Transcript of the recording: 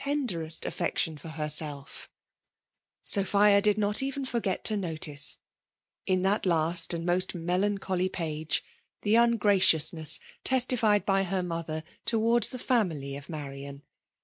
tenderest affection for hersdf ? Sophia did ncift even forget to notice in that last and most melancholy page, the ungraciousness testified by her mother towards the ikmily of Marian.